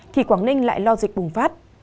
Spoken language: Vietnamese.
thì quảng ninh lại lo dịch bùng phát